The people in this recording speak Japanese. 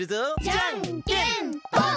じゃんけんぽん！